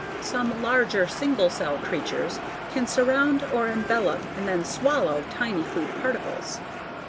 Some larger single cell creatures can surround or envelop and then "swallow" tiny food particles.